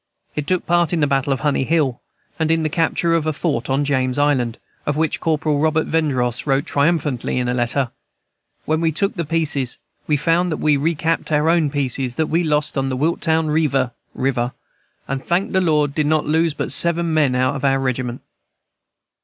It took part in the battle of Honey Hill, and in the capture of a fort on James Island, of which Corporal Robert Vendross wrote triumphantly in a letter, "When we took the pieces we found that we recapt our own pieces back that we lost on Willtown Revear (River) and thank the Lord did not lose but seven men out of our regiment."